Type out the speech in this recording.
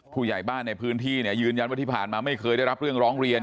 ผู้ใหญ่บ้านในพื้นที่ยืนยันว่าที่ผ่านมาไม่เคยได้รับเรื่องร้องเรียน